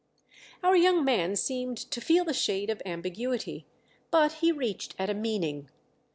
Our young man seemed to feel the shade of ambiguity, but he reached at a meaning.